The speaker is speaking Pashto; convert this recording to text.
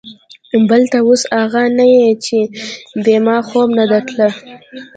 بل ته اوس اغه نه يې چې بې ما خوب نه درته.